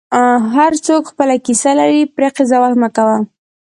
هر څوک خپله کیسه لري، پرې قضاوت مه کوه.